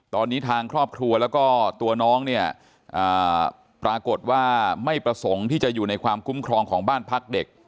ตอนนี้ทางครอบครัวแล้วก็ตัวน้องเนี่ยปรากฏว่าไม่ประสงค์ที่จะอยู่ในความคุ้มครองของบ้านพักเด็ก